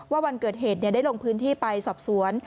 วันเกิดเหตุได้ลงพื้นที่ไปสอบสวน